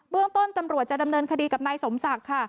เรื่องต้นตำรวจจะดำเนินคดีกับนายสมศักดิ์ค่ะ